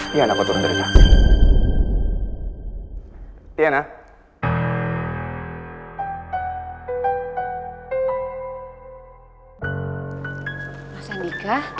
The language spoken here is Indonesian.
tiana kok turun dari sini